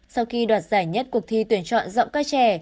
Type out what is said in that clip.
sau khi đoạt giải nhất cuộc thi tuyển chọn giọng ca trẻ